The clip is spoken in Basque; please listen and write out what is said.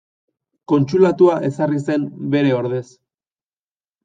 Kontsulatua ezarri zen bere ordez.